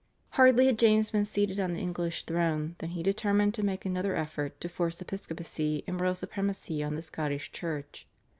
Hardly had James been seated on the English throne than he determined to make another effort to force episcopacy and royal supremacy on the Scottish Church.